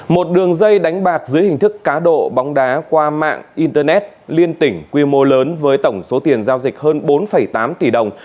một đường dây đánh bạc dưới hình thức cá độ bóng đá qua mạng internet liên tỉnh quy mô lớn với tổng số tiền giao dịch hơn bốn tám tỷ đồng